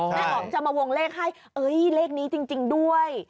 แม่อ๋องจะมาวงเลขให้เอ้ยเลขนี้จริงจริงด้วย